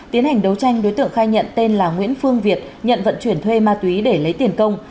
tiến hành đấu tranh đối tượng khai nhận tên là nguyễn phương việt nhận vận chuyển thuê ma túy để lấy tiền công